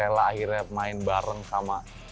rela akhirnya main bareng sama